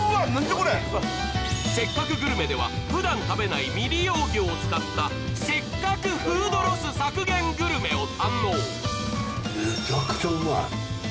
「せっかくグルメ！！」ではふだん食べない未利用魚を使ったせっかくフードロス削減グルメを堪能。